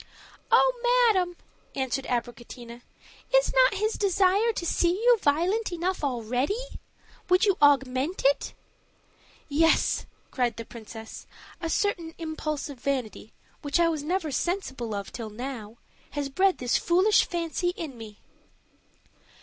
"Oh, madam," answered Abricotina, "is not his desire to see you violent enough already? Would you augment it?" "Yes," cried the princess; "a certain impulse of vanity, which I was never sensible of till now, has bred this foolish fancy in me."